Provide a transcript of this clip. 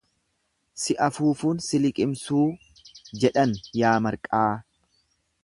Si afuufuun si liqimsuu jedhan yaa marqaa.